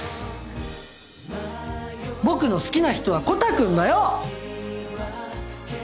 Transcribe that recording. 僕の好きな人はコタくんだよ！